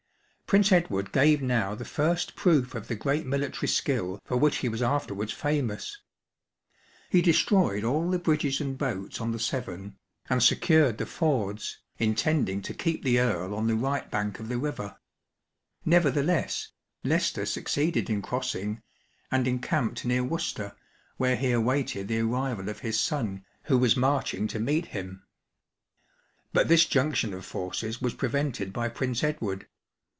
Prince Edward gave now the first proof of the great military skiU for which he was after wards famous. He destroyed aU the bridges and boats on the Severn, and secured the fords, intending to keep THE BATTLE OF EVESHAM. 299 the Earl on the right bank of the river; nevertheless, Leicester succeeded in crossing, and encamped near Worcester, where he awaited the arrival of his son, who was marching to meet him. But this junction of forces was prevented by Prince Edward.